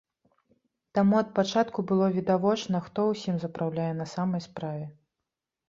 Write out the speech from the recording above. Таму ад пачатку было відавочна, хто ўсім запраўляе на самай справе.